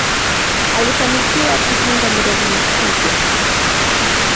alifanikiwa kujenga miradi mikubwa